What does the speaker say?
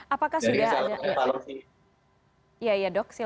apakah sudah ada